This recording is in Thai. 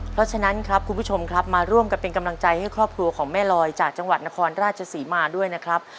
เพราะฉะนั้นครับคุณผู้ชมครับมาร่วมกันเป็นกำลังใจให้ครอบครัวของแม่ลอยจากจังหวัดนครราชศรีมาด้วยนะครับ